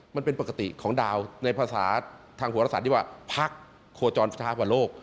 มันเป็นปกติของดาวในภาษาทางโหรศาสตร์ที่ว่าพักโคจรสุดท้ายกว่าโลก